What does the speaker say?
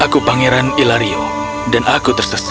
aku pangeran ilario dan aku tersesat